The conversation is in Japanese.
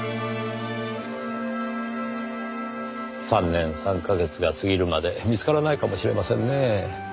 ３年３か月が過ぎるまで見つからないかもしれませんねぇ。